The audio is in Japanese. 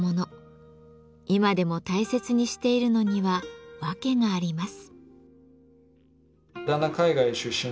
今でも大切にしているのには訳があります。